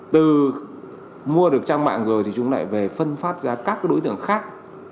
từ mua được trang mạng rồi thì chúng lại về phân phát ra các đối tượng khác